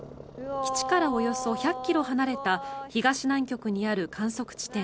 基地からおよそ１００ｋｍ離れた東南極にある観測地点